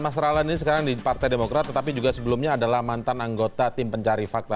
mas rahlan ini sekarang di partai demokrat tetapi juga sebelumnya adalah mantan anggota tim pencari fakta